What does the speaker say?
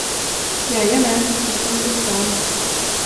Jajamän, jag kommer till stan.